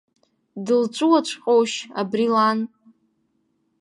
Дылҵәуаҵәҟьоушь абри лан?